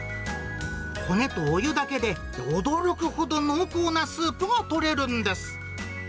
骨とお湯だけで驚くほど濃厚なスープがとれるんです。